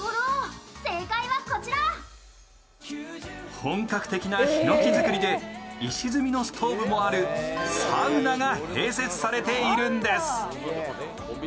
本格的なひのき造りで石積みのストーブもあるサウナが併設されているんです。